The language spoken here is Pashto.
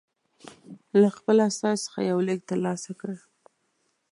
له خپل استازي څخه یو لیک ترلاسه کړ.